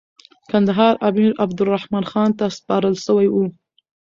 کندهار امیر عبدالرحمن خان ته سپارل سوی وو.